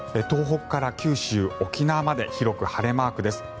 東北から九州、沖縄まで広く晴れマークです。